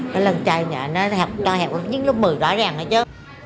cái lần trai nhà nó cho hẹp những lớp một mươi rõ ràng hết chứ